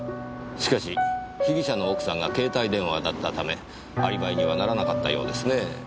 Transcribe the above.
しかし被疑者の奥さんが携帯電話だったためアリバイにはならなかったようですねぇ。